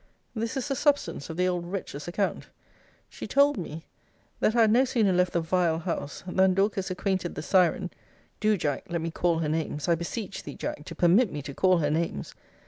This is the substance of the old wretch's account. She told me, 'That I had no sooner left the vile house, than Dorcas acquainted the syren' [Do, Jack, let me call her names! I beseech thee, Jack, to permit me to call her names!